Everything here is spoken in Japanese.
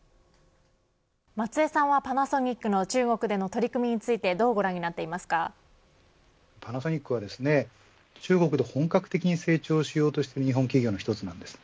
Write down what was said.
松江さんはパナソニックの中国での取り組みについてパナソニックは中国で本格的に成長しようとしている日本企業の１つです。